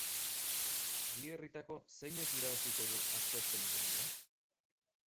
Bi herrietako zeinek irabaziko du asteazkeneko lehia?